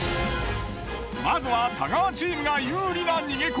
まずは太川チームが有利な逃げ子。